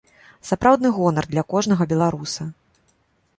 Сапраўдны гонар для кожнага беларуса.